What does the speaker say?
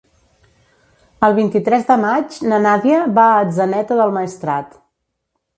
El vint-i-tres de maig na Nàdia va a Atzeneta del Maestrat.